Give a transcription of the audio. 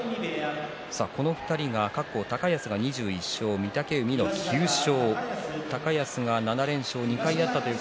この２人は過去高安が２１勝御嶽海が９勝。